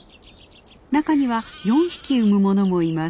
中には４匹産むものもいます。